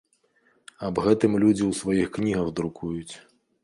Аб гэтым людзі ў сваіх кнігах друкуюць.